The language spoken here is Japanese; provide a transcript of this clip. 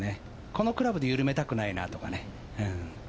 このクラブで緩めたくないなとかね。